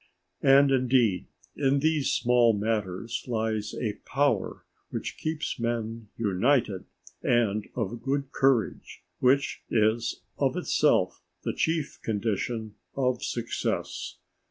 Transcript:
_" And, indeed, in these small matters lies a power which keeps men united and of good courage, which is of itself the chief condition of success.